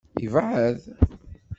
Yebɛed?